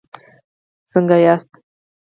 څنګه یاست؟